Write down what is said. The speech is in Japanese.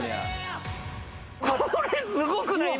これすごくない？